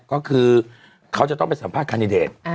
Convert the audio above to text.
ก็คือเขาจะต้องไปสัมภาษคันดิเดต